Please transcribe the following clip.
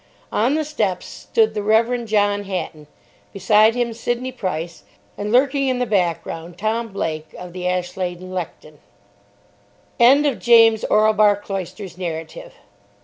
On the steps stood the Rev. John Hatton. Beside him Sidney Price. And, lurking in the background, Tom Blake of the Ashlade and Lechton. _(End of James Orlebar Cloister's narrative.)